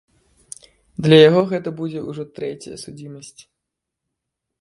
Для яго гэта будзе ўжо трэцяя судзімасць.